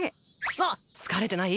あっ疲れてない？